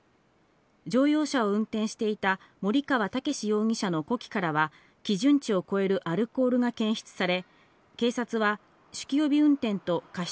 乗用車を運転していた森川猛容疑者の呼気からは基準値を超えるアルコールが検出され、警察は酒気帯び運転と過失